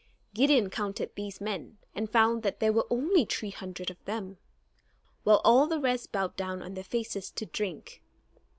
Gideon counted these men, and found that there were only three hundred of them, while all the rest bowed down on their faces to drink.